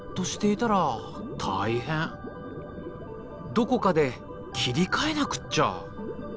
どこかで切り替えなくっちゃ。